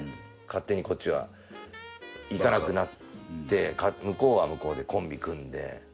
勝手にこっちは行かなくなって向こうは向こうでコンビ組んで。